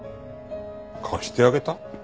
貸してあげた？